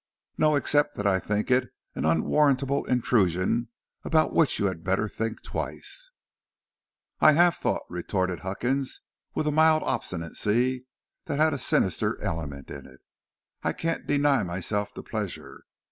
"No, except that I think it an unwarrantable intrusion about which you had better think twice." "I have thought," retorted Huckins, with a mild obstinacy that had a sinister element in it, "and I can't deny myself the pleasure.